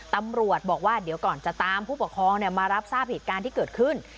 ตำรวจบอกว่าเดี๋ยวก่อนจะตามผู้ปกครองมารับทราบเหตุการณ์ที่เกิดขึ้น